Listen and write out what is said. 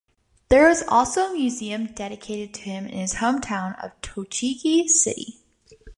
There is also a museum dedicated to him in his hometown of Tochigi-city.